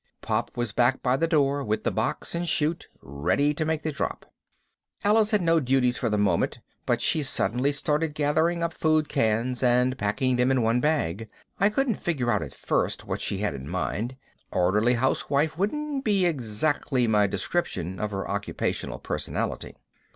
Pop was back by the door with the box and 'chute, ready to make the drop. Alice had no duties for the moment, but she'd suddenly started gathering up food cans and packing them in one bag I couldn't figure out at first what she had in mind. Orderly housewife wouldn't be exactly my description of her occupational personality.